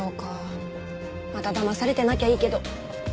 まただまされてなきゃいいけど。